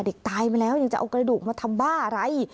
ตายมาแล้วยังจะเอากระดูกมาทำบ้าอะไร